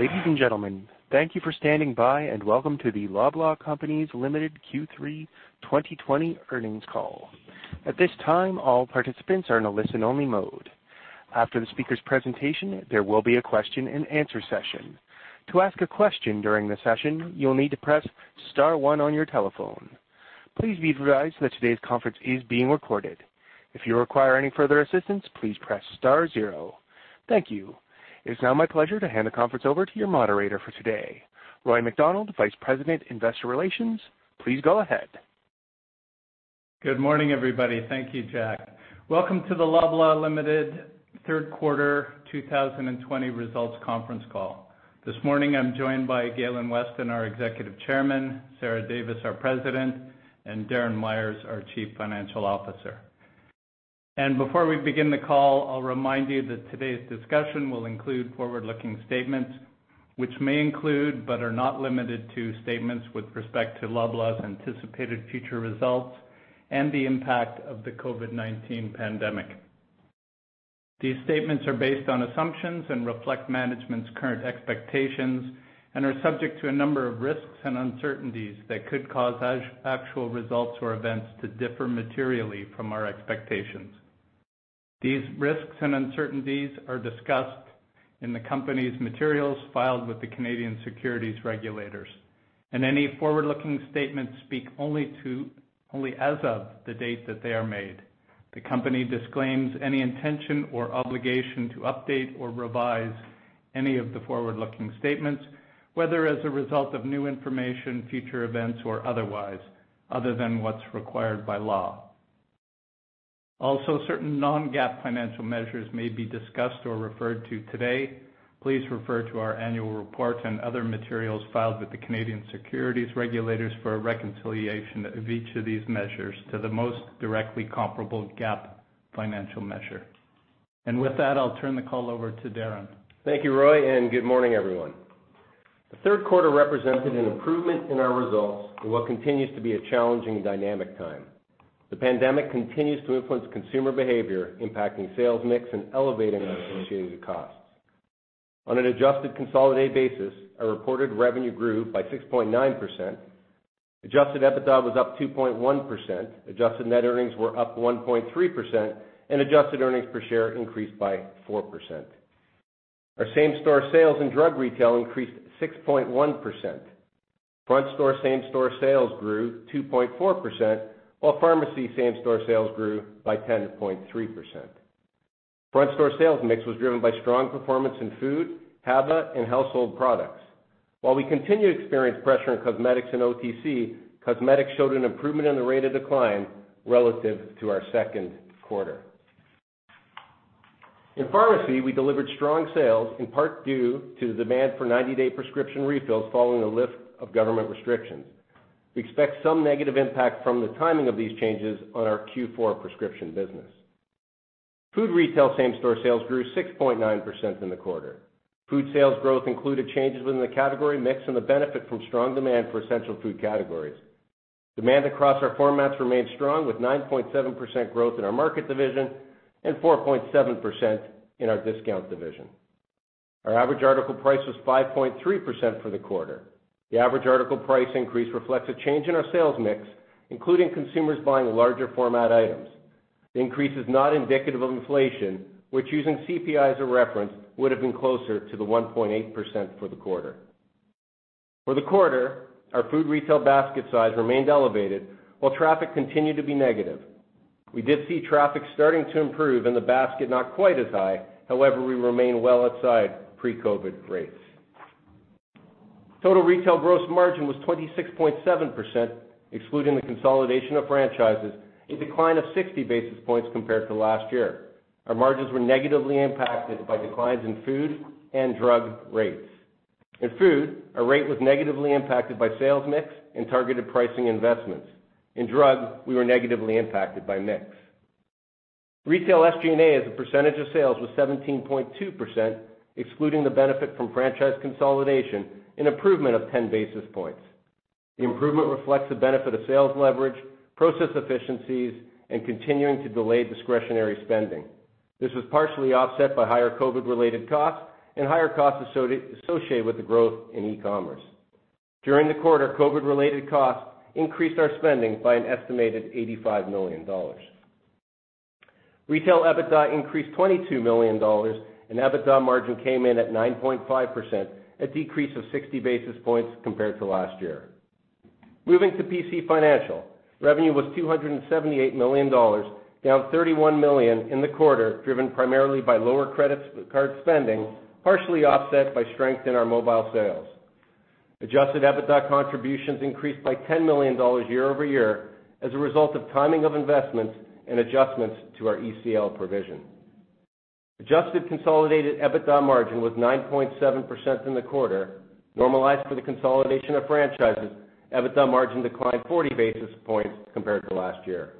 Ladies and gentlemen, thank you for standing by and welcome to the Loblaw Companies Limited Q3 2020 earnings call. At this time, all participants are in a listen-only mode. After the speaker's presentation, there will be a question-and-answer session. To ask a question during the session, you'll need to press star one on your telephone. Please be advised that today's conference is being recorded. If you require any further assistance, please press star zero. Thank you. It is now my pleasure to hand the conference over to your moderator for today, Roy MacDonald, Vice President, Investor Relations. Please go ahead. Good morning, everybody. Thank you, Jack. Welcome to the Loblaw Companies Limited third quarter 2020 results conference call. This morning, I'm joined by Galen Weston, our Executive Chairman, Sarah Davis, our President, and Darren Myers, our Chief Financial Officer, and before we begin the call, I'll remind you that today's discussion will include forward-looking statements, which may include but are not limited to statements with respect to Loblaw's anticipated future results and the impact of the COVID-19 pandemic. These statements are based on assumptions and reflect management's current expectations and are subject to a number of risks and uncertainties that could cause actual results or events to differ materially from our expectations. These risks and uncertainties are discussed in the company's materials filed with the Canadian securities regulators, and any forward-looking statements speak only as of the date that they are made. The company disclaims any intention or obligation to update or revise any of the forward-looking statements, whether as a result of new information, future events, or otherwise, other than what's required by law. Also, certain non-GAAP financial measures may be discussed or referred to today. Please refer to our annual report and other materials filed with the Canadian securities regulators for a reconciliation of each of these measures to the most directly comparable GAAP financial measure. With that, I'll turn the call over to Darren. Thank you, Roy, and good morning, everyone. The third quarter represented an improvement in our results in what continues to be a challenging and dynamic time. The pandemic continues to influence consumer behavior, impacting sales mix and elevating unabsorbed costs. On an adjusted consolidated basis, our reported revenue grew by 6.9%. Adjusted EBITDA was up 2.1%. Adjusted net earnings were up 1.3%, and adjusted earnings per share increased by 4%. Our same-store sales in drug retail increased 6.1%. Front store same-store sales grew 2.4%, while pharmacy same-store sales grew by 10.3%. Front store sales mix was driven by strong performance in food, H&BA, and household products. While we continue to experience pressure in cosmetics and OTC, cosmetics showed an improvement in the rate of decline relative to our second quarter. In pharmacy, we delivered strong sales, in part due to the demand for 90-day prescription refills following a lift of government restrictions. We expect some negative impact from the timing of these changes on our Q4 prescription business. Food retail same-store sales grew 6.9% in the quarter. Food sales growth included changes within the category mix and the benefit from strong demand for essential food categories. Demand across our formats remained strong, with 9.7% growth in Market division and 4.7% in our Discount division. Our average article price was 5.3% for the quarter. The average article price increase reflects a change in our sales mix, including consumers buying larger format items. The increase is not indicative of inflation, which, using CPI as a reference, would have been closer to the 1.8% for the quarter. For the quarter, our food retail basket size remained elevated, while traffic continued to be negative. We did see traffic starting to improve in the basket, not quite as high. However, we remain well outside pre-COVID rates. Total retail gross margin was 26.7%, excluding the consolidation of franchises, a decline of 60 basis points compared to last year. Our margins were negatively impacted by declines in food and drug rates. In food, our rate was negatively impacted by sales mix and targeted pricing investments. In drug, we were negatively impacted by mix. Retail SG&A as a percentage of sales was 17.2%, excluding the benefit from franchise consolidation, an improvement of 10 basis points. The improvement reflects the benefit of sales leverage, process efficiencies, and continuing to delay discretionary spending. This was partially offset by higher COVID-related costs and higher costs associated with the growth in e-commerce. During the quarter, COVID-related costs increased our spending by an estimated 85 million dollars. Retail EBITDA increased 22 million dollars, and EBITDA margin came in at 9.5%, a decrease of 60 basis points compared to last year. Moving to PC Financial, revenue was 278 million dollars, down 31 million in the quarter, driven primarily by lower credit card spending, partially offset by strength in our mobile sales. Adjusted EBITDA contributions increased by 10 million dollars year-over-year as a result of timing of investments and adjustments to our ECL provision. Adjusted consolidated EBITDA margin was 9.7% in the quarter. Normalized for the consolidation of franchises, EBITDA margin declined 40 basis points compared to last year.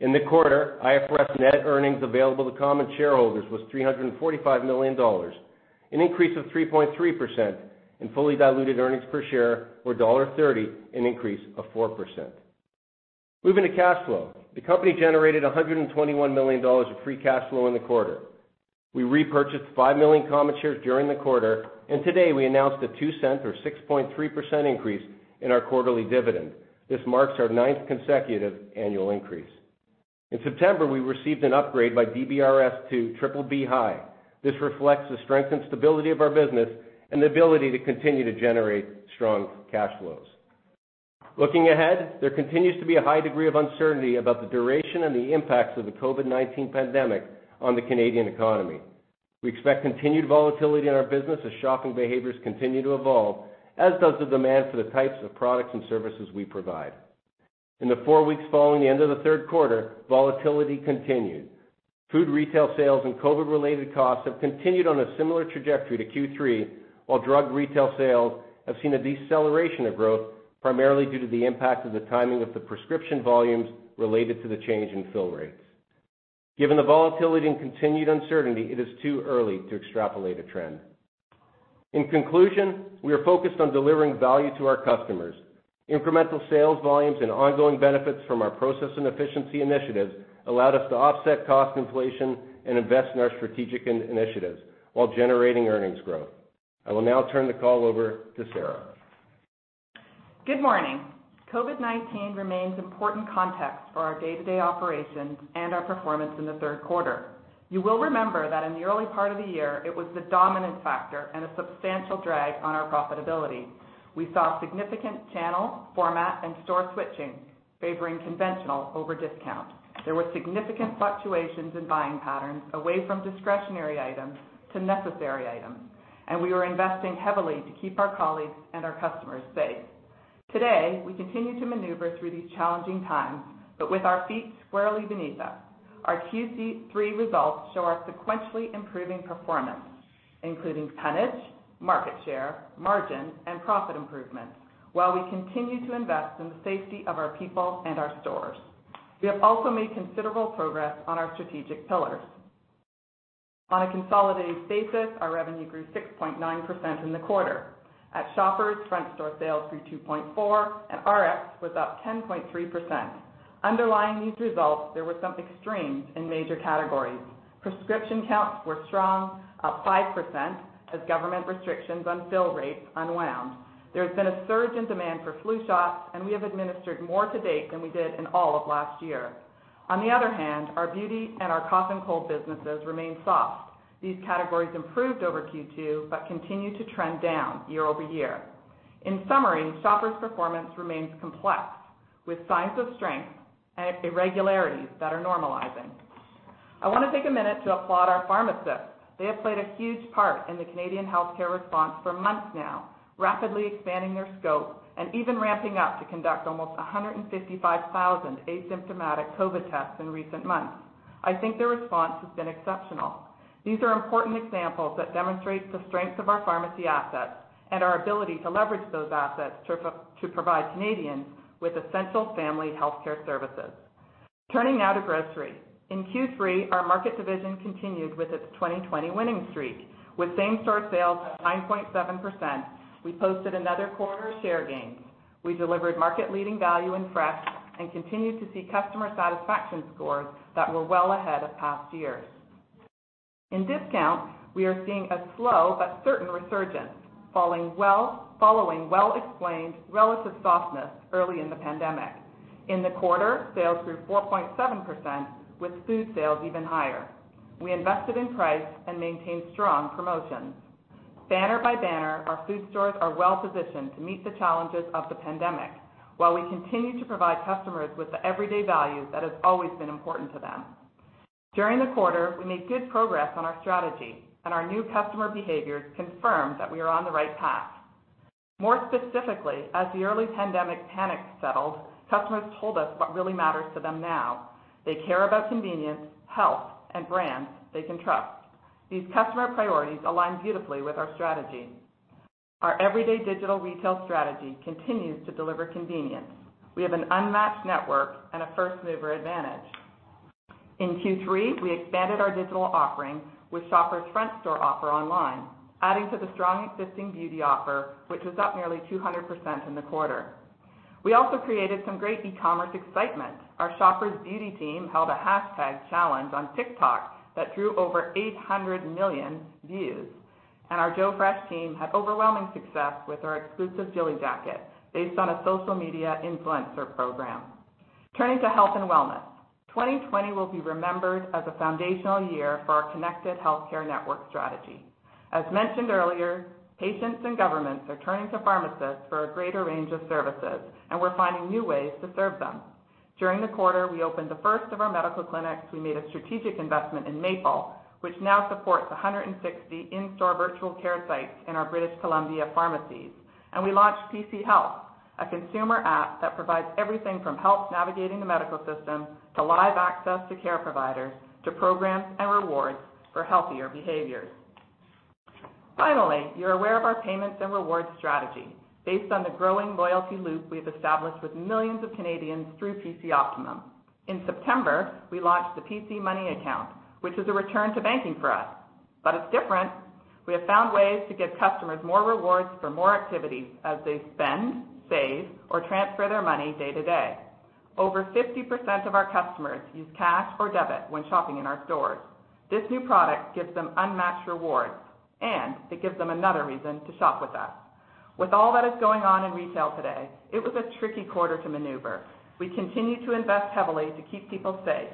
In the quarter, IFRS net earnings available to common shareholders was 345 million dollars, an increase of 3.3%, and fully diluted earnings per share were dollar 1.30, an increase of 4%. Moving to cash flow, the company generated 121 million dollars of free cash flow in the quarter. We repurchased five million common shares during the quarter, and today we announced a 0.02, or 6.3%, increase in our quarterly dividend. This marks our ninth consecutive annual increase. In September, we received an upgrade by DBRS to BBB (high). This reflects the strength and stability of our business and the ability to continue to generate strong cash flows. Looking ahead, there continues to be a high degree of uncertainty about the duration and the impacts of the COVID-19 pandemic on the Canadian economy. We expect continued volatility in our business as shopping behaviors continue to evolve, as does the demand for the types of products and services we provide. In the four weeks following the end of the third quarter, volatility continued. Food retail sales and COVID-related costs have continued on a similar trajectory to Q3, while drug retail sales have seen a deceleration of growth, primarily due to the impact of the timing of the prescription volumes related to the change in fill rates. Given the volatility and continued uncertainty, it is too early to extrapolate a trend. In conclusion, we are focused on delivering value to our customers. Incremental sales volumes and ongoing benefits from our process and efficiency initiatives allowed us to offset cost inflation and invest in our strategic initiatives while generating earnings growth. I will now turn the call over to Sarah. Good morning. COVID-19 remains important context for our day-to-day operations and our performance in the third quarter. You will remember that in the early part of the year, it was the dominant factor and a substantial drag on our profitability. We saw significant channel, format, and store switching, favoring conventional over Discount. There were significant fluctuations in buying patterns away from discretionary items to necessary items, and we were investing heavily to keep our colleagues and our customers safe. Today, we continue to maneuver through these challenging times, but with our feet squarely beneath us. Our Q3 results show our sequentially improving performance, including tonnage, market share, margin, and profit improvements, while we continue to invest in the safety of our people and our stores. We have also made considerable progress on our strategic pillars. On a consolidated basis, our revenue grew 6.9% in the quarter. At Shoppers, Front Store sales grew 2.4%, and Rx was up 10.3%. Underlying these results, there were some extremes in major categories. Prescription counts were strong, up 5%, as government restrictions on fill rates unwound. There has been a surge in demand for flu shots, and we have administered more to date than we did in all of last year. On the other hand, our beauty and our cough and cold businesses remained soft. These categories improved over Q2 but continue to trend down year-over-year. In summary, Shoppers' performance remains complex, with signs of strength and irregularities that are normalizing. I want to take a minute to applaud our pharmacists. They have played a huge part in the Canadian healthcare response for months now, rapidly expanding their scope and even ramping up to conduct almost 155,000 asymptomatic COVID tests in recent months. I think their response has been exceptional. These are important examples that demonstrate the strength of our pharmacy assets and our ability to leverage those assets to provide Canadians with essential family healthcare services. Turning now to grocery, in Q3, Market division continued with its 2020 winning streak. With same-store sales of 9.7%, we posted another quarter of share gains. We delivered market-leading value in fresh and continued to see customer satisfaction scores that were well ahead of past years. In Discount, we are seeing a slow but certain resurgence, following well-explained relative softness early in the pandemic. In the quarter, sales grew 4.7%, with food sales even higher. We invested in price and maintained strong promotions. Banner by banner, our food stores are well-positioned to meet the challenges of the pandemic, while we continue to provide customers with the everyday value that has always been important to them. During the quarter, we made good progress on our strategy, and our new customer behaviors confirmed that we are on the right path. More specifically, as the early pandemic panic settled, customers told us what really matters to them now. They care about convenience, health, and brands they can trust. These customer priorities align beautifully with our strategy. Our everyday digital retail strategy continues to deliver convenience. We have an unmatched network and a first-mover advantage. In Q3, we expanded our digital offering with Shoppers' Front Store offer online, adding to the strong existing beauty offer, which was up nearly 200% in the quarter. We also created some great e-commerce excitement. Our Shoppers' beauty team held a hashtag challenge on TikTok that drew over 800 million views, and our Joe Fresh team had overwhelming success with our exclusive Jilly Jacket based on a social media influencer program. Turning to health and wellness, 2020 will be remembered as a foundational year for our connected healthcare network strategy. As mentioned earlier, patients and governments are turning to pharmacists for a greater range of services, and we're finding new ways to serve them. During the quarter, we opened the first of our medical clinics. We made a strategic investment in Maple, which now supports 160 in-store virtual care sites in our British Columbia pharmacies. And we launched PC Health, a consumer app that provides everything from help navigating the medical system to live access to care providers to programs and rewards for healthier behaviors. Finally, you're aware of our payments and rewards strategy. Based on the growing loyalty loop we've established with millions of Canadians through PC Optimum. In September, we launched the PC Money Account, which is a return to banking for us, but it's different. We have found ways to give customers more rewards for more activities as they spend, save, or transfer their money day to day. Over 50% of our customers use cash or debit when shopping in our stores. This new product gives them unmatched rewards, and it gives them another reason to shop with us. With all that is going on in retail today, it was a tricky quarter to maneuver. We continue to invest heavily to keep people safe,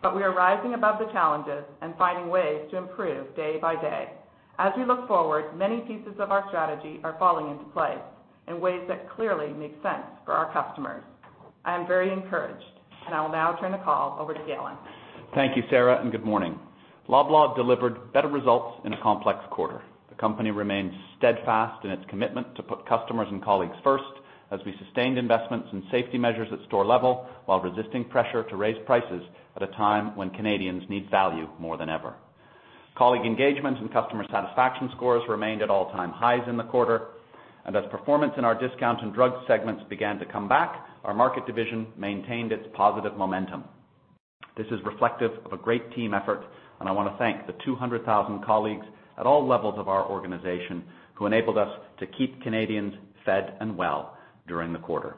but we are rising above the challenges and finding ways to improve day by day. As we look forward, many pieces of our strategy are falling into place in ways that clearly make sense for our customers. I am very encouraged, and I will now turn the call over to Galen. Thank you, Sarah, and good morning. Loblaw delivered better results in a complex quarter. The company remained steadfast in its commitment to put customers and colleagues first as we sustained investments in safety measures at store level while resisting pressure to raise prices at a time when Canadians need value more than ever. Colleague engagement and customer satisfaction scores remained at all-time highs in the quarter, and as performance in our Discount and drugs segments began to come back, Market division maintained its positive momentum. This is reflective of a great team effort, and I want to thank the 200,000 colleagues at all levels of our organization who enabled us to keep Canadians fed and well during the quarter.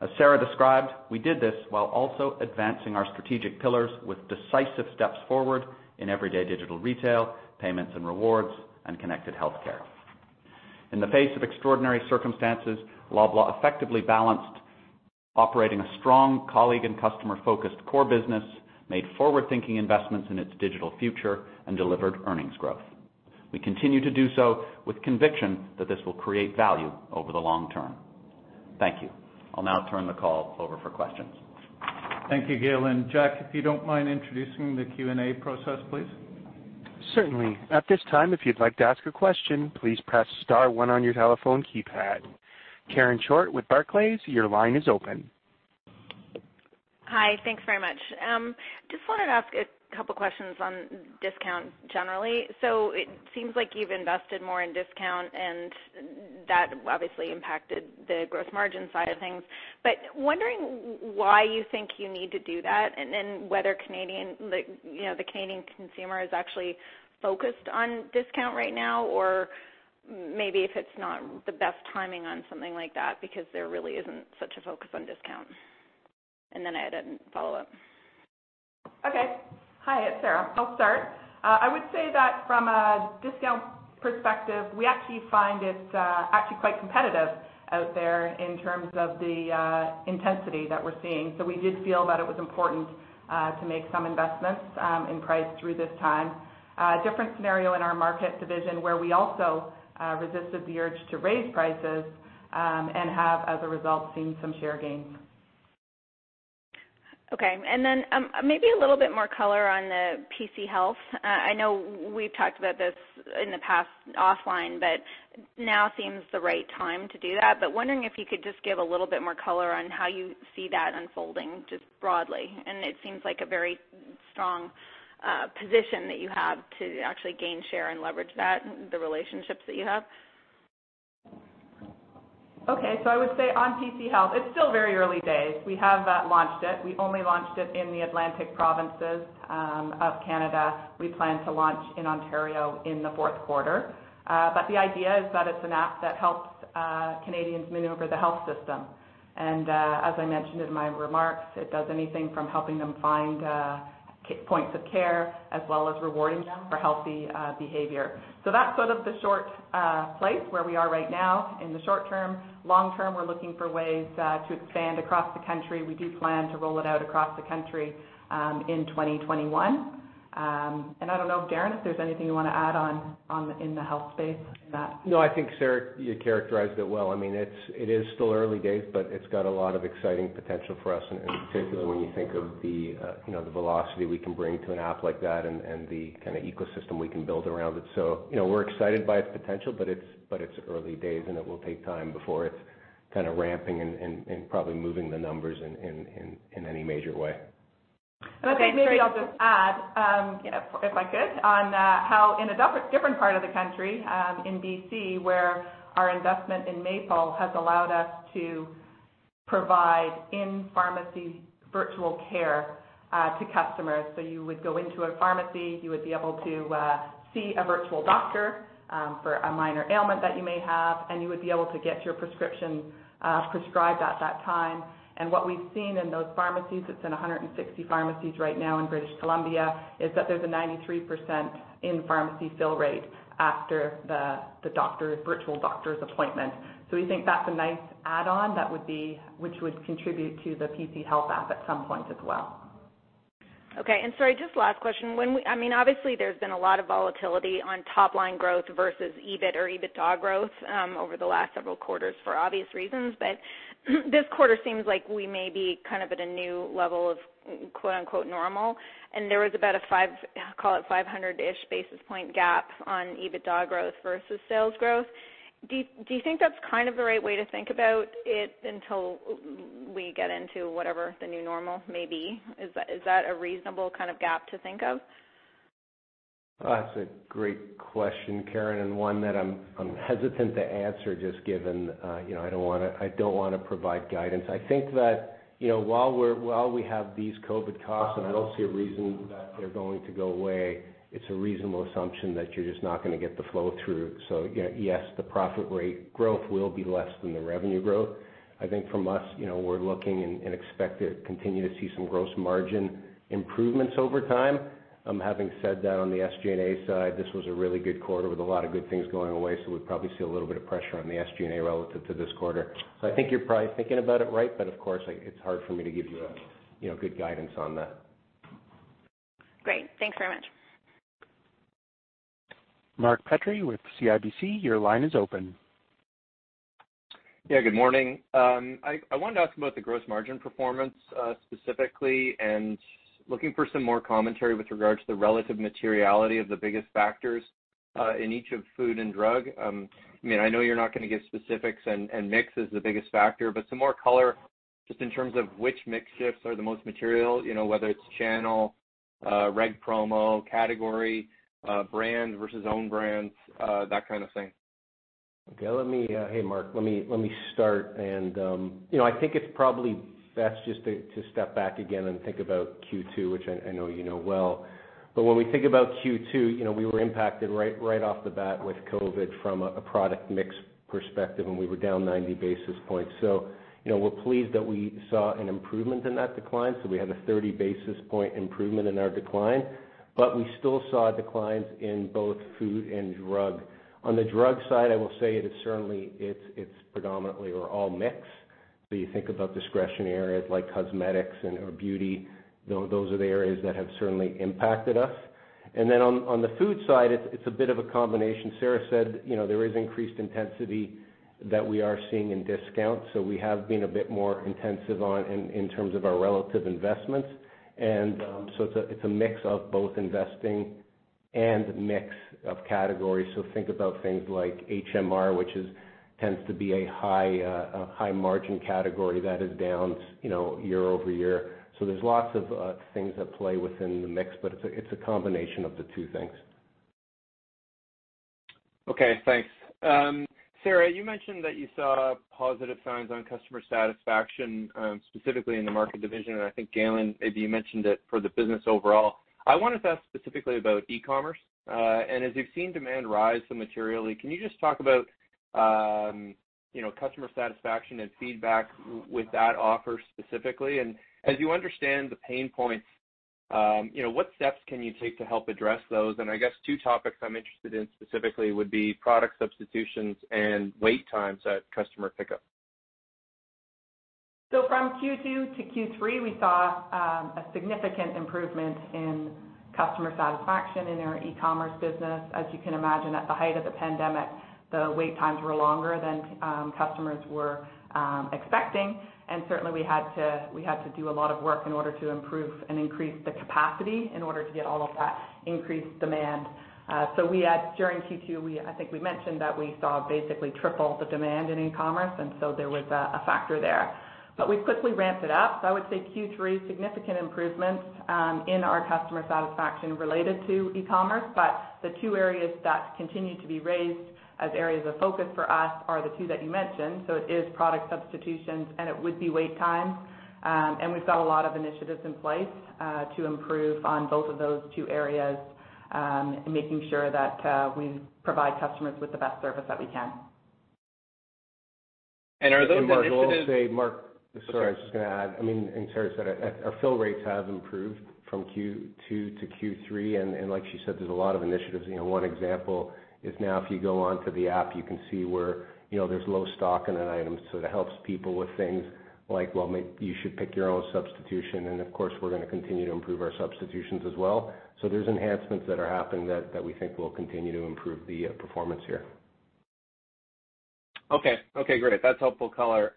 As Sarah described, we did this while also advancing our strategic pillars with decisive steps forward in everyday digital retail, payments and rewards, and connected healthcare. In the face of extraordinary circumstances, Loblaw effectively balanced operating a strong colleague and customer-focused core business, made forward-thinking investments in its digital future, and delivered earnings growth. We continue to do so with conviction that this will create value over the long term. Thank you. I'll now turn the call over for questions. Thank you, Galen. Jack, if you don't mind introducing the Q&A process, please. Certainly. At this time, if you'd like to ask a question, please press star one on your telephone keypad. Karen Short with Barclays, your line is open. Hi, thanks very much. Just wanted to ask a couple of questions on Discount generally. So it seems like you've invested more in Discount, and that obviously impacted the gross margin side of things. But wondering why you think you need to do that and then whether the Canadian consumer is actually focused on Discount right now or maybe if it's not the best timing on something like that because there really isn't such a focus on Discount. And then I had a follow-up. Okay. Hi, it's Sarah. I'll start. I would say that from a Discount perspective, we actually find it's actually quite competitive out there in terms of the intensity that we're seeing. So we did feel that it was important to make some investments in price through this time. Different scenario in Market division where we also resisted the urge to raise prices and have, as a result, seen some share gains. Okay, and then maybe a little bit more color on the PC Health. I know we've talked about this in the past offline, but now seems the right time to do that, but wondering if you could just give a little bit more color on how you see that unfolding just broadly, and it seems like a very strong position that you have to actually gain share and leverage that, the relationships that you have. Okay, so I would say on PC Health, it's still very early days. We have launched it. We only launched it in the Atlantic provinces of Canada. We plan to launch in Ontario in the fourth quarter. But the idea is that it's an app that helps Canadians maneuver the health system. And as I mentioned in my remarks, it does anything from helping them find points of care as well as rewarding them for healthy behavior. So that's sort of the short place where we are right now in the short term. Long term, we're looking for ways to expand across the country. We do plan to roll it out across the country in 2021, and I don't know, Galen, if there's anything you want to add on in the health space. No, I think, Sarah, you characterized it well. I mean, it is still early days, but it's got a lot of exciting potential for us, and particularly when you think of the velocity we can bring to an app like that and the kind of ecosystem we can build around it. So we're excited by its potential, but it's early days, and it will take time before it's kind of ramping and probably moving the numbers in any major way. Okay. Maybe I'll just add, if I could, on how in a different part of the country in BC, where our investment in Maple has allowed us to provide in-pharmacy virtual care to customers. So you would go into a pharmacy, you would be able to see a virtual doctor for a minor ailment that you may have, and you would be able to get your prescription prescribed at that time. And what we've seen in those pharmacies, it's in 160 pharmacies right now in British Columbia, is that there's a 93% in-pharmacy fill rate after the virtual doctor's appointment. So we think that's a nice add-on that would contribute to the PC Health app at some point as well. Okay. And sorry, just last question. I mean, obviously, there's been a lot of volatility on top-line growth versus EBIT or EBITDA growth over the last several quarters for obvious reasons, but this quarter seems like we may be kind of at a new level of "normal." And there was about a, call it, 500-ish basis point gap on EBITDA growth versus sales growth. Do you think that's kind of the right way to think about it until we get into whatever the new normal may be? Is that a reasonable kind of gap to think of? That's a great question, Karen, and one that I'm hesitant to answer just given I don't want to provide guidance. I think that while we have these COVID costs and I don't see a reason that they're going to go away, it's a reasonable assumption that you're just not going to get the flow through. So yes, the profit rate growth will be less than the revenue growth. I think from us, we're looking and expect to continue to see some gross margin improvements over time. Having said that, on the SG&A side, this was a really good quarter with a lot of good things going away, so we'd probably see a little bit of pressure on the SG&A relative to this quarter. So I think you're probably thinking about it right, but of course, it's hard for me to give you good guidance on that. Great. Thanks very much. Mark Petrie with CIBC, your line is open. Yeah, good morning. I wanted to ask about the gross margin performance specifically and looking for some more commentary with regards to the relative materiality of the biggest factors in each of food and drug. I mean, I know you're not going to give specifics, and mix is the biggest factor, but some more color just in terms of which mix shifts are the most material, whether it's channel, reg promo, category, brand versus own brands, that kind of thing. Okay. Hey, Mark, let me start. And I think it's probably best just to step back again and think about Q2, which I know you know well. But when we think about Q2, we were impacted right off the bat with COVID from a product mix perspective, and we were down 90 basis points. So we're pleased that we saw an improvement in that decline. So we had a 30 basis points improvement in our decline, but we still saw declines in both food and drug. On the drug side, I will say it is certainly predominantly all mix. So you think about discretionary areas like cosmetics or beauty. Those are the areas that have certainly impacted us. And then on the food side, it's a bit of a combination. Sarah said there is increased intensity that we are seeing in Discounts, so we have been a bit more intensive in terms of our relative investments, and so it's a mix of both investing and mix of categories, so think about things like HMR, which tends to be a high-margin category that is down year-over-year, so there's lots of things at play within the mix, but it's a combination of the two things. Okay. Thanks. Sarah, you mentioned that you saw positive signs on customer satisfaction, specifically in Market division, and I think, Galen, maybe you mentioned it for the business overall. I wanted to ask specifically about e-commerce, and as you've seen demand rise so materially, can you just talk about customer satisfaction and feedback with that offer specifically? And as you understand the pain points, what steps can you take to help address those, and I guess two topics I'm interested in specifically would be product substitutions and wait times at customer pickup. So from Q2 to Q3, we saw a significant improvement in customer satisfaction in our e-commerce business. As you can imagine, at the height of the pandemic, the wait times were longer than customers were expecting. And certainly, we had to do a lot of work in order to improve and increase the capacity in order to get all of that increased demand. So during Q2, I think we mentioned that we saw basically triple the demand in e-commerce, and so there was a factor there. But we quickly ramped it up. So I would say Q3, significant improvements in our customer satisfaction related to e-commerce. But the two areas that continue to be raised as areas of focus for us are the two that you mentioned. So it is product substitutions, and it would be wait times. We've got a lot of initiatives in place to improve on both of those two areas and making sure that we provide customers with the best service that we can. Are those initiatives? Mark was going to say. Mark, sorry, I was just going to add. I mean, and Sarah said our fill rates have improved from Q2 to Q3. And like she said, there's a lot of initiatives. One example is now if you go on to the app, you can see where there's low stock in an item. So it helps people with things like, "Well, you should pick your own substitution." And of course, we're going to continue to improve our substitutions as well. So there's enhancements that are happening that we think will continue to improve the performance here. Okay. Okay. Great. That's helpful color.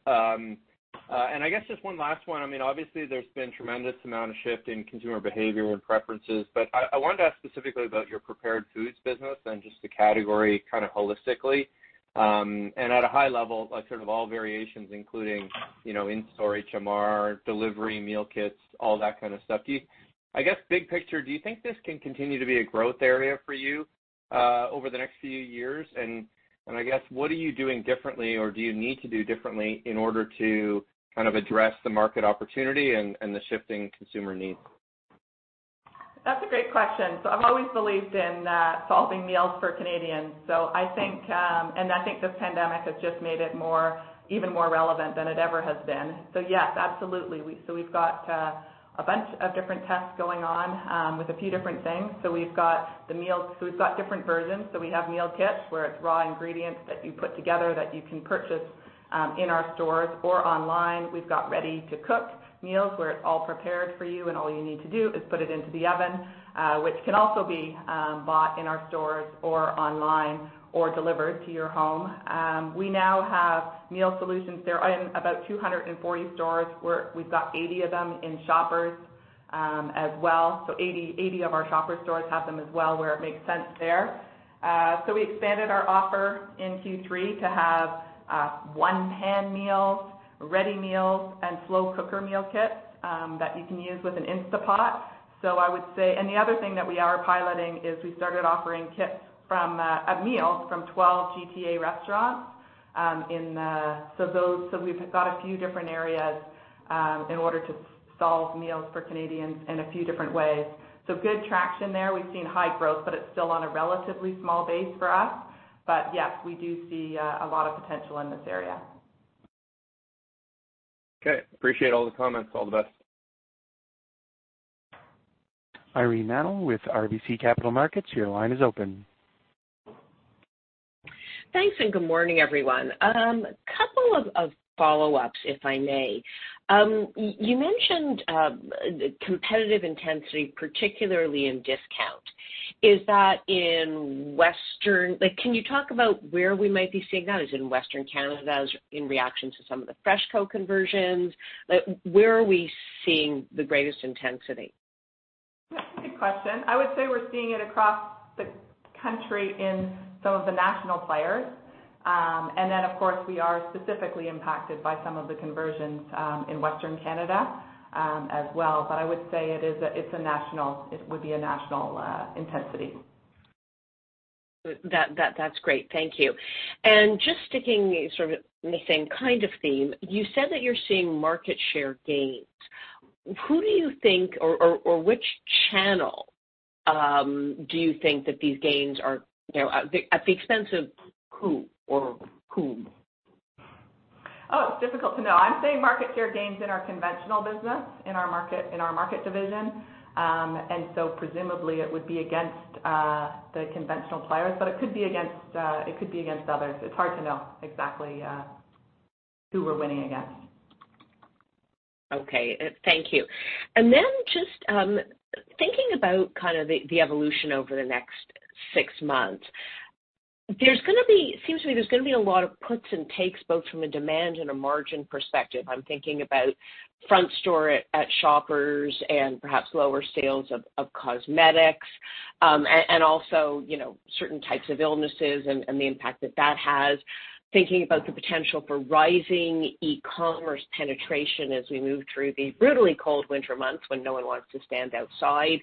And I guess just one last one. I mean, obviously, there's been a tremendous amount of shift in consumer behavior and preferences, but I wanted to ask specifically about your prepared foods business and just the category kind of holistically. And at a high level, sort of all variations, including in-store HMR, delivery, meal kits, all that kind of stuff. I guess big picture, do you think this can continue to be a growth area for you over the next few years? And I guess, what are you doing differently or do you need to do differently in order to kind of address the market opportunity and the shifting consumer needs? That's a great question. So I've always believed in solving meals for Canadians. And I think the pandemic has just made it even more relevant than it ever has been. So yes, absolutely. So we've got a bunch of different tests going on with a few different things. So we've got the meals. So we've got different versions. So we have meal kits where it's raw ingredients that you put together that you can purchase in our stores or online. We've got ready-to-cook meals where it's all prepared for you, and all you need to do is put it into the oven, which can also be bought in our stores or online or delivered to your home. We now have meal solutions there in about 240 stores. We've got 80 of them in Shoppers as well. So 80 of our Shoppers' stores have them as well where it makes sense there. So we expanded our offer in Q3 to have one-pan meals, ready meals, and slow cooker meal kits that you can use with an Instant Pot. So I would say, and the other thing that we are piloting is we started offering kits of meals from 12 GTA restaurants. So we've got a few different areas in order to solve meals for Canadians in a few different ways. So good traction there. We've seen high growth, but it's still on a relatively small base for us. But yes, we do see a lot of potential in this area. Okay. Appreciate all the comments. All the best. Irene Nattel with RBC Capital Markets. Your line is open. Thanks and good morning, everyone. A couple of follow-ups, if I may. You mentioned competitive intensity, particularly in Discount. Is that in Western? Can you talk about where we might be seeing that? Is it in Western Canada? Is it in reaction to some of the FreshCo conversions? Where are we seeing the greatest intensity? That's a good question. I would say we're seeing it across the country in some of the national players. And then, of course, we are specifically impacted by some of the conversions in Western Canada as well. But I would say it would be a national intensity. That's great. Thank you. And just sticking sort of in the same kind of theme, you said that you're seeing market share gains. Who do you think, or which channel do you think that these gains are at the expense of who or whom? Oh, it's difficult to know. I'm seeing market share gains in our conventional business, in Market division. And so presumably, it would be against the conventional players, but it could be against others. It's hard to know exactly who we're winning against. Okay. Thank you. And then just thinking about kind of the evolution over the next six months, there's going to be, it seems to me, a lot of puts and takes both from a demand and a margin perspective. I'm thinking about front store at Shoppers and perhaps lower sales of cosmetics and also certain types of illnesses and the impact that has. Thinking about the potential for rising e-commerce penetration as we move through these brutally cold winter months when no one wants to stand outside.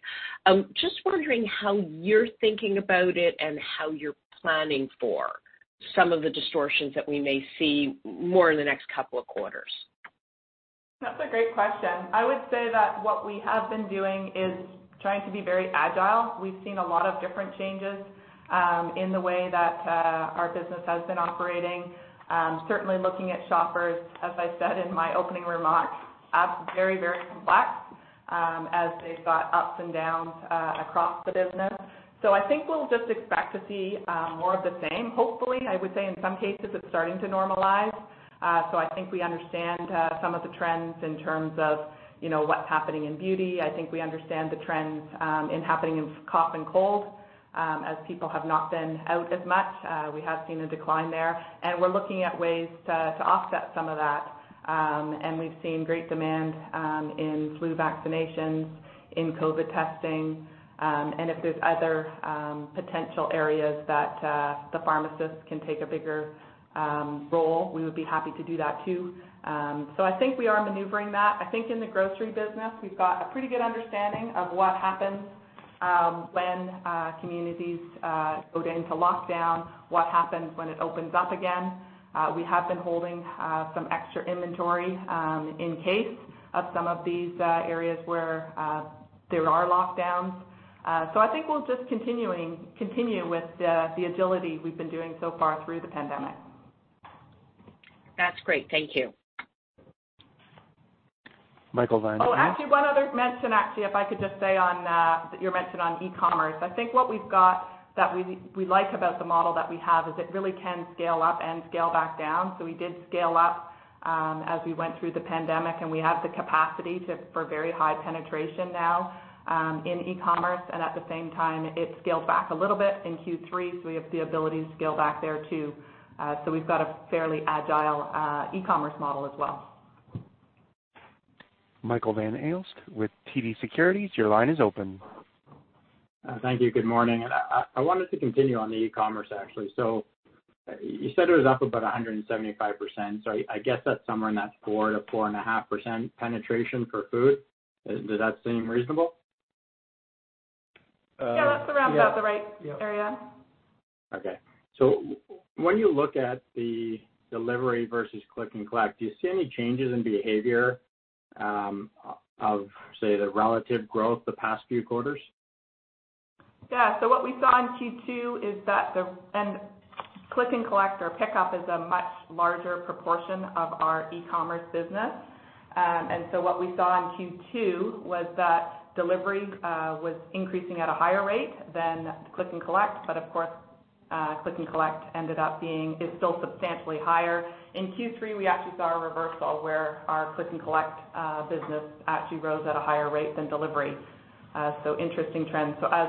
Just wondering how you're thinking about it and how you're planning for some of the distortions that we may see more in the next couple of quarters. That's a great question. I would say that what we have been doing is trying to be very agile. We've seen a lot of different changes in the way that our business has been operating. Certainly, looking at Shoppers, as I said in my opening remarks, apps are very, very complex as they've got ups and downs across the business. So I think we'll just expect to see more of the same. Hopefully, I would say in some cases, it's starting to normalize. So I think we understand some of the trends in terms of what's happening in beauty. I think we understand the trends happening in cough and cold as people have not been out as much. We have seen a decline there. And we're looking at ways to offset some of that. And we've seen great demand in flu vaccinations, in COVID testing. And if there's other potential areas that the pharmacists can take a bigger role, we would be happy to do that too. So I think we are maneuvering that. I think in the grocery business, we've got a pretty good understanding of what happens when communities go into lockdown, what happens when it opens up again. We have been holding some extra inventory in case of some of these areas where there are lockdowns. So I think we'll just continue with the agility we've been doing so far through the pandemic. That's great. Thank you. Michael Van Aelst. Oh, actually, one other mention. Actually, if I could just say on your mention on e-commerce. I think what we've got that we like about the model that we have is it really can scale up and scale back down. So we did scale up as we went through the pandemic, and we have the capacity for very high penetration now in e-commerce. And at the same time, it scaled back a little bit in Q3. So we have the ability to scale back there too. So we've got a fairly agile e-commerce model as well. Michael Van Aelst with TD Securities, your line is open. Thank you. Good morning. And I wanted to continue on the e-commerce, actually. So you said it was up about 175%. So I guess that's somewhere in that 4%-4.5% penetration for food. Does that seem reasonable? Yeah, that's around about the right area. When you look at the delivery versus click and collect, do you see any changes in behavior of, say, the relative growth the past few quarters? Yeah. So what we saw in Q2 is that the click and collect or pickup is a much larger proportion of our e-commerce business. And so what we saw in Q2 was that delivery was increasing at a higher rate than click and collect. But of course, click and collect ended up being is still substantially higher. In Q3, we actually saw a reversal where our click and collect business actually rose at a higher rate than delivery. So interesting trend. So as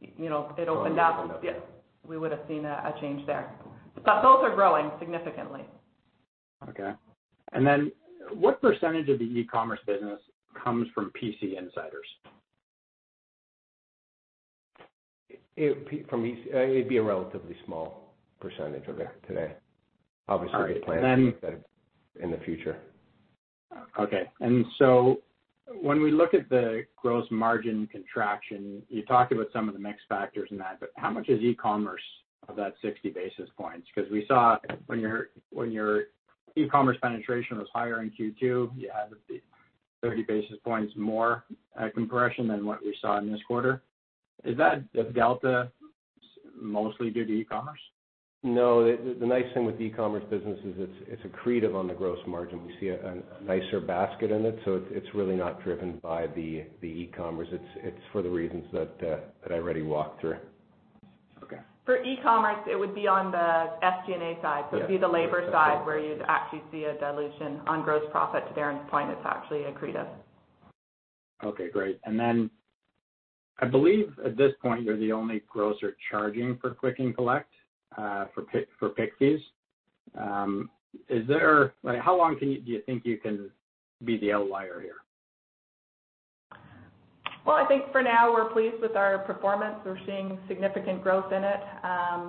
it opened up, yeah, we would have seen a change there. But both are growing significantly. Okay. And then what percentage of the e-commerce business comes from PC Insiders? It'd be a relatively small percentage of it today. Obviously, we plan to look at it in the future. Okay. And so when we look at the gross margin contraction, you talked about some of the mixed factors in that. But how much is e-commerce of that 60 basis points? Because we saw when your e-commerce penetration was higher in Q2, you had 30 basis points more compression than what we saw in this quarter. Is that delta mostly due to e-commerce? No. The nice thing with the e-commerce business is it's accretive on the gross margin. We see a nicer basket in it. So it's really not driven by the e-commerce. It's for the reasons that I already walked through. Okay. For e-commerce, it would be on the SG&A side. So it'd be the labor side where you'd actually see a dilution on gross profit. To Darren's point, it's actually accretive. Okay. Great. And then I believe at this point, you're the only grocer charging for click and collect for pick fees. How long do you think you can be the outlier here? I think for now, we're pleased with our performance. We're seeing significant growth in it. I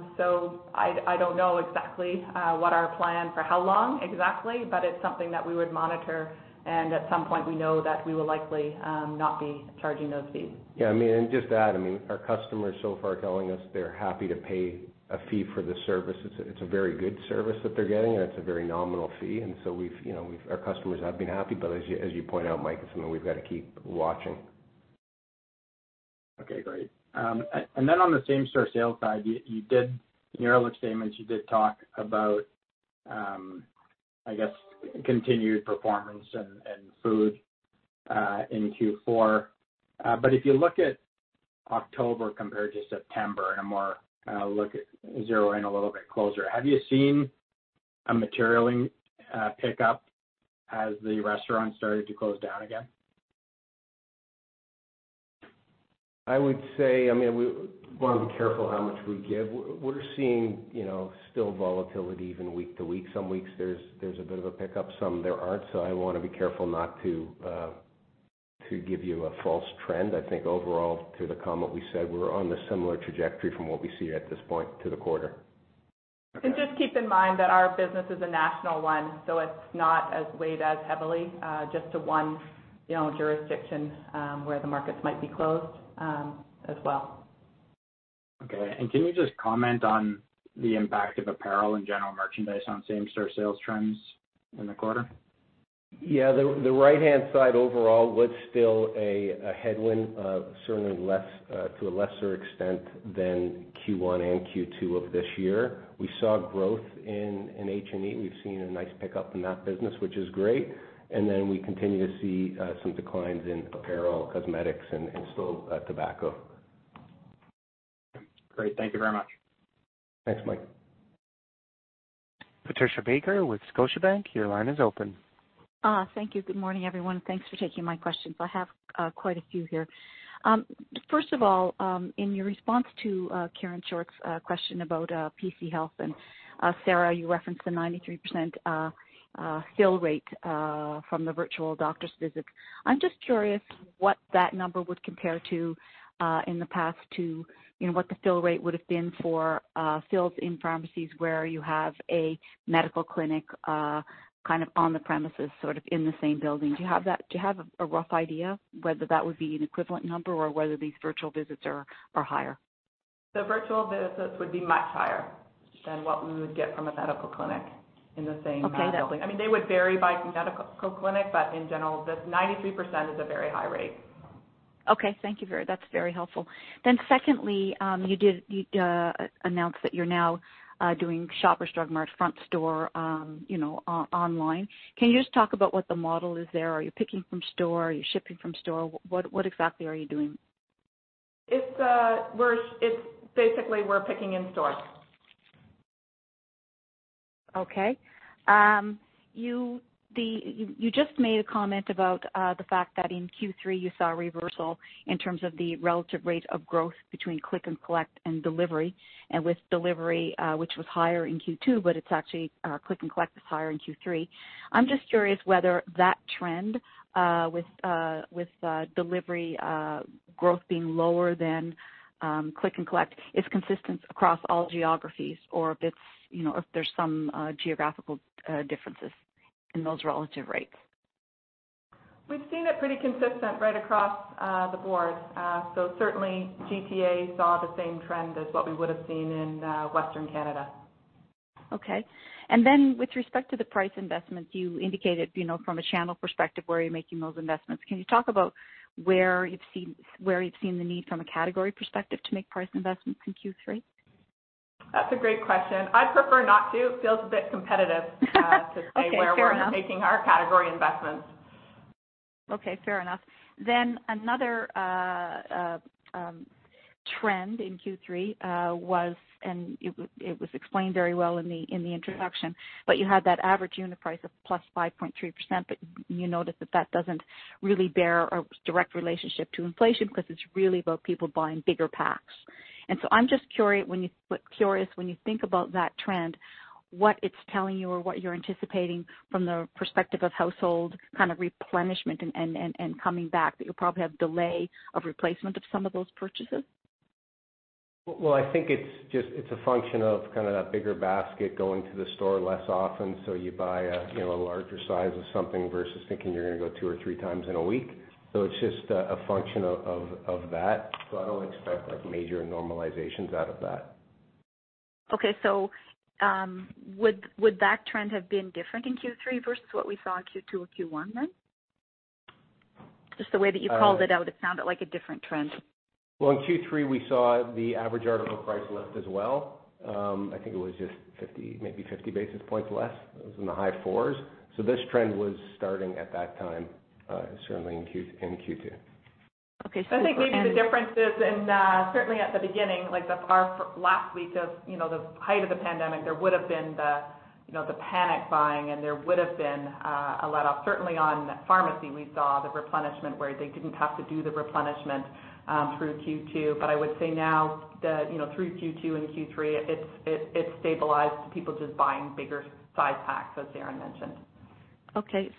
don't know exactly what our plan for how long exactly, but it's something that we would monitor. At some point, we know that we will likely not be charging those fees. Yeah. I mean, and just that. I mean, our customers so far are telling us they're happy to pay a fee for the service. It's a very good service that they're getting, and it's a very nominal fee. And so our customers have been happy. But as you point out, Mike, it's something we've got to keep watching. Okay. Great. And then on the same store sales side, in your other statements, you did talk about, I guess, continued performance and food in Q4. But if you look at October compared to September and zoom in a little bit closer, have you seen a material pickup as the restaurants started to close down again? I would say, I mean, we want to be careful how much we give. We're seeing still volatility even week to week. Some weeks, there's a bit of a pickup. Some there aren't. So I want to be careful not to give you a false trend. I think overall, to the comment we said, we're on a similar trajectory from what we see at this point to the quarter. And just keep in mind that our business is a national one. So it's not as weighted as heavily just to one jurisdiction where the markets might be closed as well. Okay. And can you just comment on the impact of apparel and general merchandise on same-store sales trends in the quarter? Yeah. The right-hand side overall was still a headwind, certainly to a lesser extent than Q1 and Q2 of this year. We saw growth in H&E. We've seen a nice pickup in that business, which is great. And then we continue to see some declines in apparel, cosmetics, and still tobacco. Great. Thank you very much. Thanks, Mike. Patricia Baker with Scotiabank. Your line is open. Thank you. Good morning, everyone. Thanks for taking my questions. I have quite a few here. First of all, in your response to Karen Short's question about PC Health, and Sarah, you referenced the 93% fill rate from the virtual doctor's visits. I'm just curious what that number would compare to in the past to what the fill rate would have been for fills in pharmacies where you have a medical clinic kind of on the premises, sort of in the same building. Do you have a rough idea whether that would be an equivalent number or whether these virtual visits are higher? The virtual visits would be much higher than what we would get from a medical clinic in the same building. I mean, they would vary by medical clinic, but in general, the 93% is a very high rate. Okay. Thank you very much. That's very helpful. Then secondly, you did announce that you're now doing Shoppers Drug Mart Front Store online. Can you just talk about what the model is there? Are you picking from store? Are you shipping from store? What exactly are you doing? It's basically we're picking in store. Okay. You just made a comment about the fact that in Q3, you saw a reversal in terms of the relative rate of growth between click and collect and delivery. And with delivery, which was higher in Q2, but it's actually click and collect is higher in Q3. I'm just curious whether that trend with delivery growth being lower than click and collect is consistent across all geographies or if there's some geographical differences in those relative rates. We've seen it pretty consistent right across the board, so certainly, GTA saw the same trend as what we would have seen in Western Canada. Okay, and then with respect to the price investments, you indicated from a channel perspective where you're making those investments. Can you talk about where you've seen the need from a category perspective to make price investments in Q3? That's a great question. I'd prefer not to. It feels a bit competitive to say where we're making our category investments. Okay. Fair enough. Then another trend in Q3 was, and it was explained very well in the introduction, but you had that average unit price of +5.3%, but you noticed that that doesn't really bear a direct relationship to inflation because it's really about people buying bigger packs. And so I'm just curious when you think about that trend, what it's telling you or what you're anticipating from the perspective of household kind of replenishment and coming back, that you'll probably have delay of replacement of some of those purchases? Well, I think it's a function of kind of that bigger basket going to the store less often. So you buy a larger size of something versus thinking you're going to go two or three times in a week. So it's just a function of that. So I don't expect major normalizations out of that. Okay. So would that trend have been different in Q3 versus what we saw in Q2 or Q1 then? Just the way that you called it out, it sounded like a different trend. In Q3, we saw the average article price lift as well. I think it was just maybe 50 basis points less. It was in the high 4s. This trend was starting at that time, certainly in Q2. Okay, so you think. I think maybe the difference is in certainly at the beginning, like last week of the height of the pandemic, there would have been the panic buying, and there would have been a let-off. Certainly on pharmacy, we saw the replenishment where they didn't have to do the replenishment through Q2. But I would say now through Q2 and Q3, it's stabilized to people just buying bigger size packs, as Darren mentioned. Okay.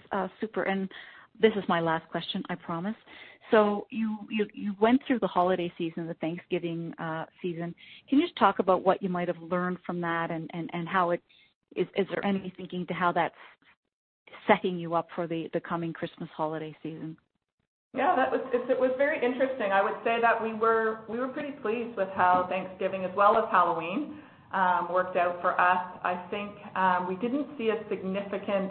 Super. And this is my last question, I promise. So you went through the holiday season, the Thanksgiving season. Can you just talk about what you might have learned from that and how it is there any thinking to how that's setting you up for the coming Christmas holiday season? Yeah. It was very interesting. I would say that we were pretty pleased with how Thanksgiving as well as Halloween worked out for us. I think we didn't see a significant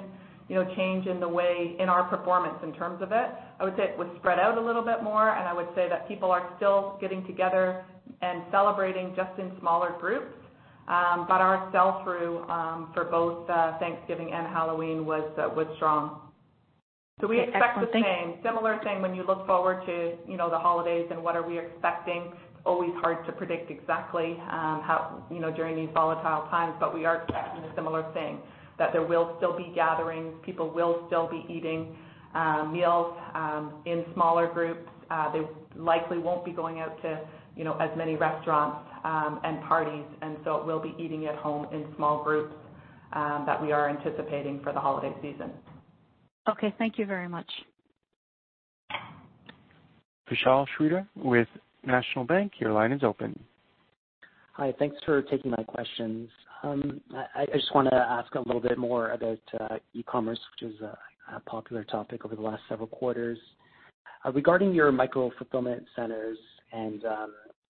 change in our performance in terms of it. I would say it was spread out a little bit more. And I would say that people are still getting together and celebrating just in smaller groups. But our sell-through for both Thanksgiving and Halloween was strong. So we expect the same. Similar thing when you look forward to the holidays and what are we expecting. It's always hard to predict exactly during these volatile times, but we are expecting a similar thing, that there will still be gatherings. People will still be eating meals in smaller groups. They likely won't be going out to as many restaurants and parties. And so we'll be eating at home in small groups that we are anticipating for the holiday season. Okay. Thank you very much. Vishal Shreedhar with National Bank. Your line is open. Hi. Thanks for taking my questions. I just want to ask a little bit more about e-commerce, which is a popular topic over the last several quarters. Regarding your micro-fulfillment centers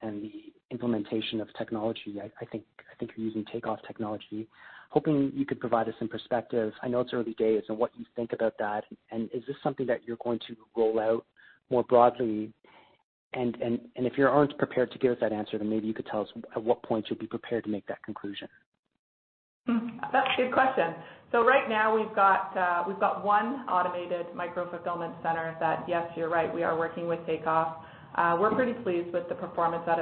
and the implementation of technology, I think you're using Takeoff Technologies. Hoping you could provide us some perspective. I know it's early days. And what do you think about that? And is this something that you're going to roll out more broadly? And if you aren't prepared to give us that answer, then maybe you could tell us at what point you'll be prepared to make that conclusion. That's a good question, so right now, we've got one automated micro-fulfillment center that, yes, you're right, we are working with Takeoff. We're pretty pleased with the performance that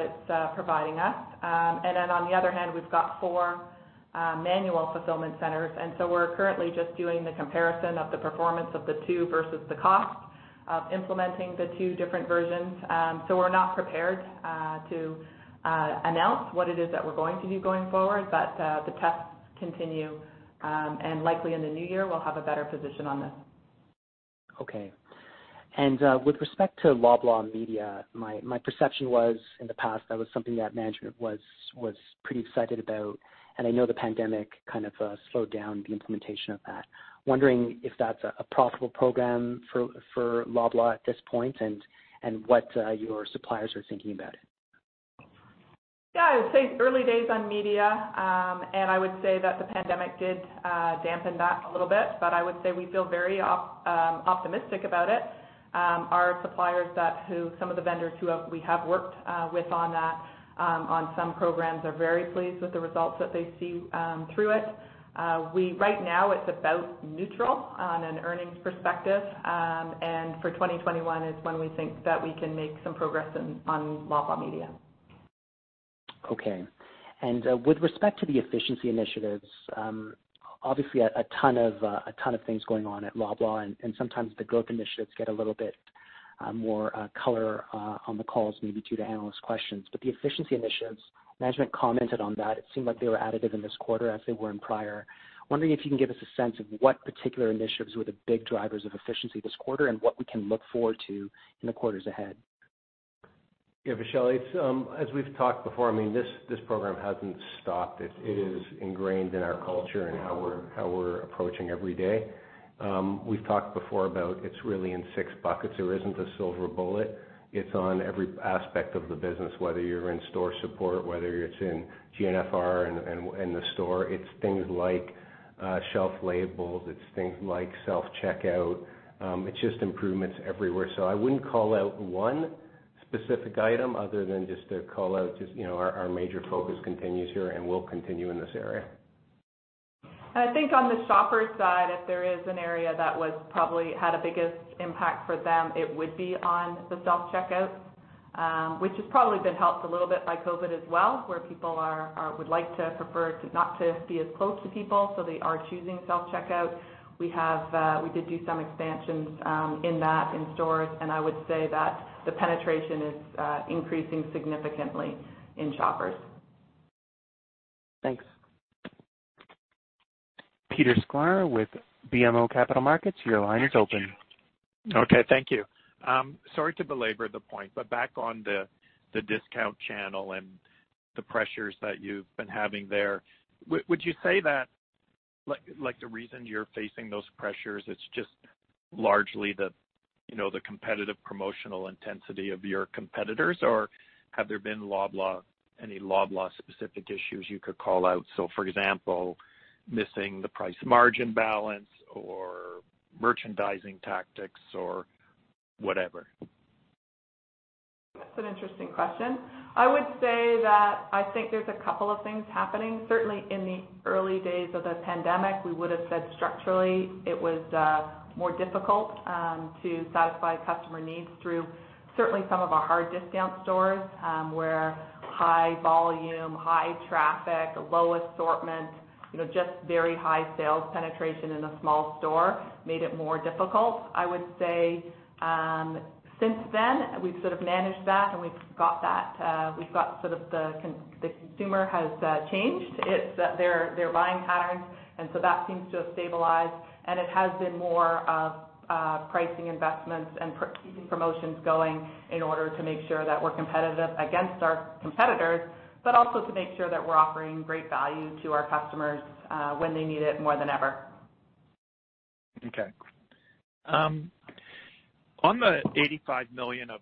it's providing us, and then on the other hand, we've got four manual fulfillment centers, and so we're currently just doing the comparison of the performance of the two versus the cost of implementing the two different versions. So we're not prepared to announce what it is that we're going to do going forward, but the tests continue, and likely in the new year, we'll have a better position on this. Okay. And with respect to Loblaw Media, my perception was in the past that was something that management was pretty excited about. And I know the pandemic kind of slowed down the implementation of that. Wondering if that's a profitable program for Loblaw at this point and what your suppliers are thinking about it? Yeah. I would say early days on media. And I would say that the pandemic did dampen that a little bit. But I would say we feel very optimistic about it. Our suppliers, some of the vendors who we have worked with on that on some programs, are very pleased with the results that they see through it. Right now, it's about neutral on an earnings perspective. And for 2021 is when we think that we can make some progress on Loblaw Media. Okay. And with respect to the efficiency initiatives, obviously, a ton of things going on at Loblaw. And sometimes the growth initiatives get a little bit more color on the calls, maybe due to analyst questions. But the efficiency initiatives, management commented on that. It seemed like they were additive in this quarter as they were in prior. Wondering if you can give us a sense of what particular initiatives were the big drivers of efficiency this quarter and what we can look forward to in the quarters ahead? Yeah. Vishal, as we've talked before, I mean, this program hasn't stopped. It is ingrained in our culture and how we're approaching every day. We've talked before about it's really in six buckets. There isn't a silver bullet. It's on every aspect of the business, whether you're in store support, whether it's in GNFR and the store. It's things like shelf labels. It's things like self-checkout. It's just improvements everywhere. So I wouldn't call out one specific item other than just to call out just our major focus continues here and will continue in this area. I think on the Shoppers side, if there is an area that had a biggest impact for them, it would be on the self-checkout, which has probably been helped a little bit by COVID as well, where people would like to prefer not to be as close to people. So they are choosing self-checkout. We did do some expansions in that in stores, and I would say that the penetration is increasing significantly in Shoppers. Thanks. Peter Sklar with BMO Capital Markets. Your line is open. Okay. Thank you. Sorry to belabor the point, but back on the Discount channel and the pressures that you've been having there, would you say that the reason you're facing those pressures is just largely the competitive promotional intensity of your competitors, or have there been any Loblaw-specific issues you could call out, so for example, missing the price margin balance or merchandising tactics or whatever. That's an interesting question. I would say that I think there's a couple of things happening. Certainly in the early days of the pandemic, we would have said structurally it was more difficult to satisfy customer needs through certainly some of our hard Discount stores where high volume, high traffic, low assortment, just very high sales penetration in a small store made it more difficult. I would say since then, we've sort of managed that and we've got that. We've got sort of the consumer has changed. It's their buying patterns. And so that seems to have stabilized. And it has been more of pricing investments and promotions going in order to make sure that we're competitive against our competitors, but also to make sure that we're offering great value to our customers when they need it more than ever. Okay. On the 85 million of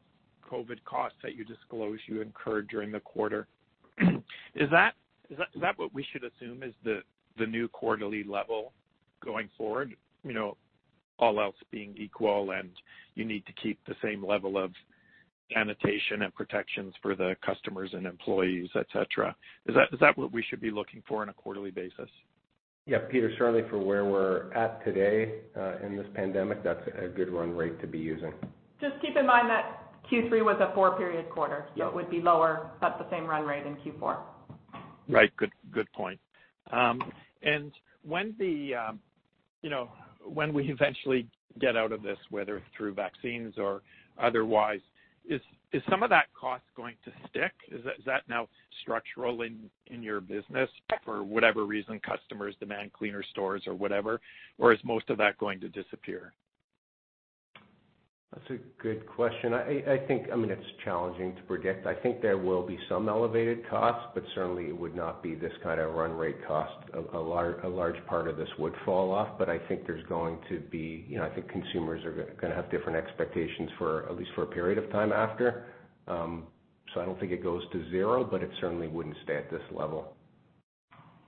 COVID costs that you disclosed, you incurred during the quarter. Is that what we should assume is the new quarterly level going forward, all else being equal and you need to keep the same level of sanitation and protections for the customers and employees, etc.? Is that what we should be looking for on a quarterly basis? Yeah. Peter Sklar, for where we're at today in this pandemic, that's a good run rate to be using. Just keep in mind that Q3 was a four-period quarter. So it would be lower at the same run rate in Q4. Right. Good point. And when we eventually get out of this, whether through vaccines or otherwise, is some of that cost going to stick? Is that now structural in your business for whatever reason customers demand cleaner stores or whatever, or is most of that going to disappear? That's a good question. I mean, it's challenging to predict. I think there will be some elevated costs, but certainly it would not be this kind of run rate cost. A large part of this would fall off, but I think there's going to be. I think consumers are going to have different expectations for at least a period of time after. So I don't think it goes to zero, but it certainly wouldn't stay at this level.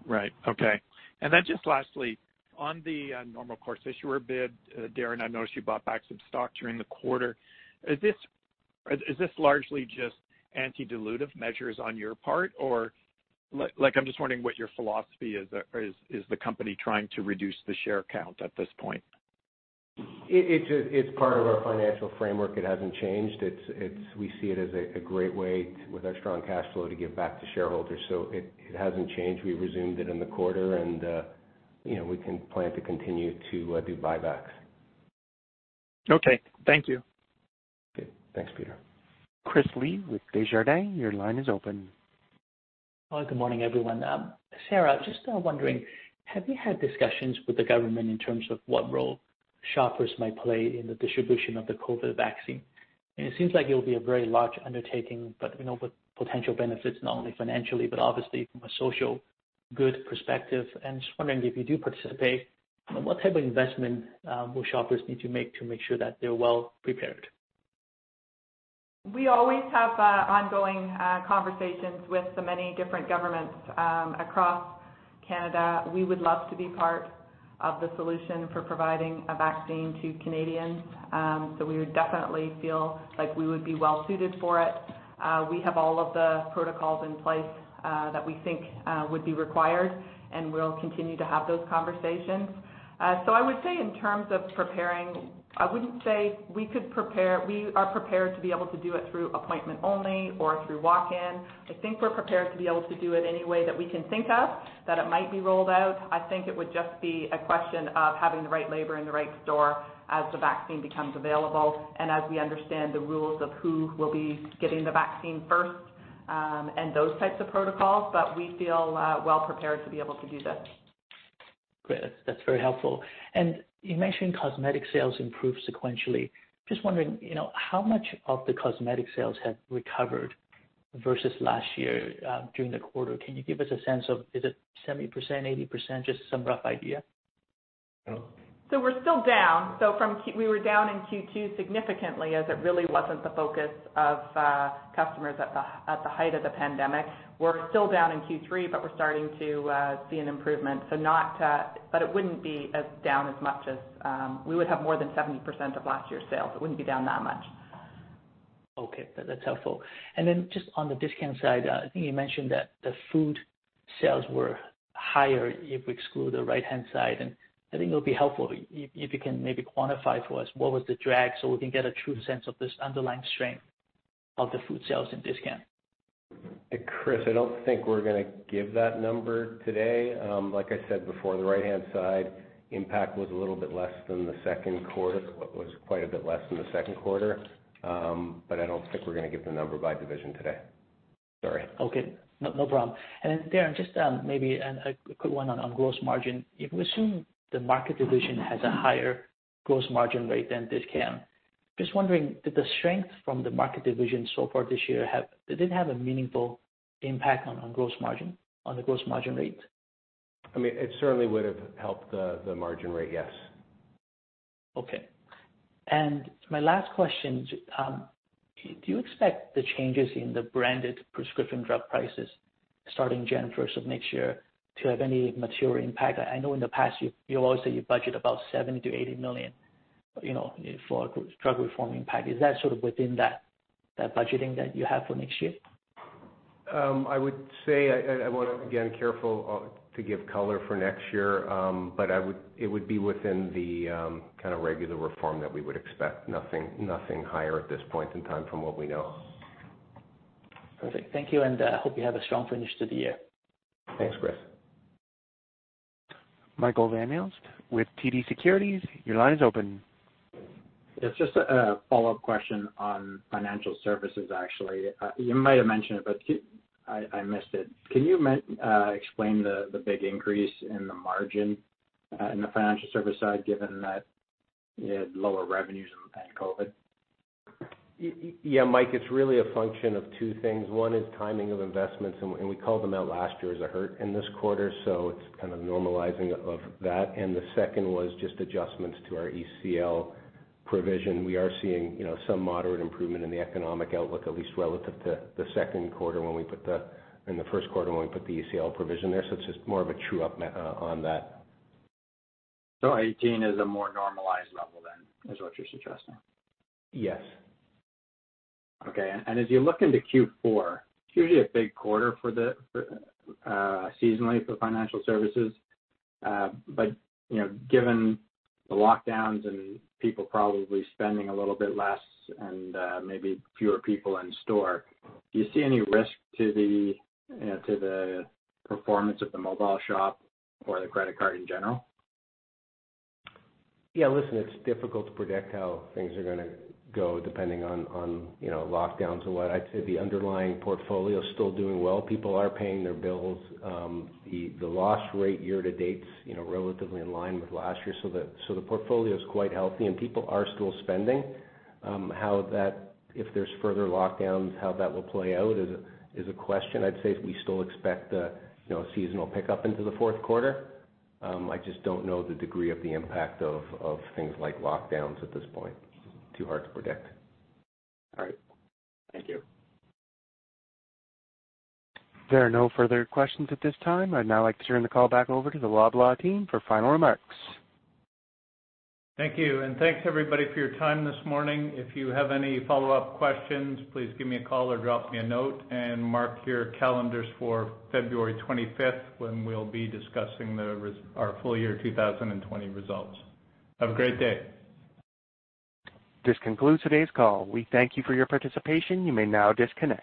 Right. Okay. And then just lastly, on the normal course issuer bid, Darren, I noticed you bought back some stock during the quarter. Is this largely just anti-dilutive measures on your part, or I'm just wondering what your philosophy is. Is the company trying to reduce the share count at this point? It's part of our financial framework. It hasn't changed. We see it as a great way with our strong cash flow to give back to shareholders. So it hasn't changed. We resumed it in the quarter, and we can plan to continue to do buybacks. Okay. Thank you. Okay. Thanks, Peter. Chris Li with Desjardins, your line is open. Hi. Good morning, everyone. Sarah, just wondering, have you had discussions with the government in terms of what role Shoppers might play in the distribution of the COVID vaccine? And it seems like it will be a very large undertaking, but with potential benefits not only financially, but obviously from a social good perspective. And just wondering if you do participate, what type of investment will Shoppers need to make to make sure that they're well prepared? We always have ongoing conversations with the many different governments across Canada. We would love to be part of the solution for providing a vaccine to Canadians. So we would definitely feel like we would be well suited for it. We have all of the protocols in place that we think would be required, and we'll continue to have those conversations. So I would say in terms of preparing, I wouldn't say we could prepare. We are prepared to be able to do it through appointment only or through walk-in. I think we're prepared to be able to do it any way that we can think of that it might be rolled out. I think it would just be a question of having the right labor in the right store as the vaccine becomes available and as we understand the rules of who will be getting the vaccine first and those types of protocols, but we feel well prepared to be able to do this. Great. That's very helpful, and you mentioned cosmetic sales improved sequentially. Just wondering, how much of the cosmetic sales have recovered versus last year during the quarter? Can you give us a sense of is it 70%, 80%, just some rough idea? So we're still down. So we were down in Q2 significantly as it really wasn't the focus of customers at the height of the pandemic. We're still down in Q3, but we're starting to see an improvement. But it wouldn't be as down as much as we would have more than 70% of last year's sales. It wouldn't be down that much. Okay. That's helpful. And then just on the Discount side, I think you mentioned that the food sales were higher if we exclude the right-hand side. And I think it would be helpful if you can maybe quantify for us what was the drag so we can get a true sense of this underlying strength of the food sales and Discount. Chris, I don't think we're going to give that number today. Like I said before, the right-hand side impact was a little bit less than the second quarter, what was quite a bit less than the second quarter. But I don't think we're going to give the number by division today. Sorry. Okay. No problem. And then, Darren, just maybe a quick one on gross margin. If we assume Market division has a higher gross margin rate than Discount, just wondering, did the strength from Market division so far this year, did it have a meaningful impact on the gross margin rate? I mean, it certainly would have helped the margin rate, yes. Okay. And my last question, do you expect the changes in the branded prescription drug prices starting January 1st of next year to have any material impact? I know in the past, you always say you budget about 70 million-80 million for drug reform impact. Is that sort of within that budgeting that you have for next year? I would say I want to, again, careful to give color for next year, but it would be within the kind of regular reform that we would expect. Nothing higher at this point in time from what we know. Perfect. Thank you. And I hope you have a strong finish to the year. Thanks, Chris. Michael Van Aelst with TD Securities, your line is open. Yeah. Just a follow-up question on Financial Services, actually. You might have mentioned it, but I missed it. Can you explain the big increase in the margin in the Financial Services side given that you had lower revenues and COVID? Yeah, Mike, it's really a function of two things. One is timing of investments, and we called them out last year as a hurt in this quarter, so it's kind of normalizing of that. And the second was just adjustments to our ECL provision. We are seeing some moderate improvement in the economic outlook, at least relative to the second quarter when we put it in the first quarter when we put the ECL provision there. So it's just more of a true up on that. So 2018 is a more normalized level than is what you're suggesting? Yes. Okay. And as you look into Q4, it's usually a big quarter seasonally for Financial Services. But given the lockdowns and people probably spending a little bit less and maybe fewer people in store, do you see any risk to the performance of The Mobile Shop or the credit card in general? Yeah. Listen, it's difficult to predict how things are going to go depending on lockdowns or what. I'd say the underlying portfolio is still doing well. People are paying their bills. The loss rate year to date is relatively in line with last year. So the portfolio is quite healthy, and people are still spending. If there's further lockdowns, how that will play out is a question. I'd say we still expect a seasonal pickup into the fourth quarter. I just don't know the degree of the impact of things like lockdowns at this point. It's too hard to predict. There are no further questions at this time. I'd now like to turn the call back over to the Loblaw team for final remarks. Thank you and thanks, everybody, for your time this morning. If you have any follow-up questions, please give me a call or drop me a note and mark your calendars for February 25th when we'll be discussing our full year 2020 results. Have a great day. This concludes today's call. We thank you for your participation. You may now disconnect.